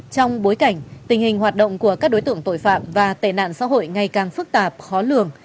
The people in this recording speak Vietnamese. trong bối cảnh tình hình hoạt động của các đối tượng tội phạm và tệ nạn xã hội ngày càng phức tạp khó lường